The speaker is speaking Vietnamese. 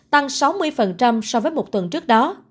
tăng sáu mươi so với một tuần trước đó